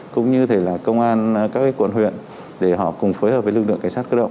cũng như công an các quận huyện để họ cùng phối hợp với lực lượng cảnh sát cơ động